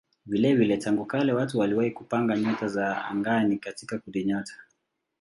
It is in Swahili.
Vilevile tangu kale watu waliwahi kupanga nyota za angani katika kundinyota.